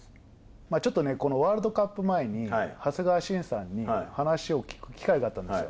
ちょっとね、このワールドカップ前に、長谷川慎さんに話を聞く機会があったんですよ。